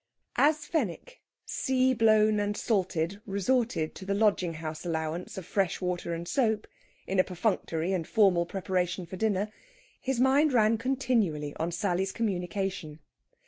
As Fenwick, sea blown and salted, resorted to the lodging house allowance of fresh water and soap, in a perfunctory and formal preparation for dinner, his mind ran continually on Sally's communication.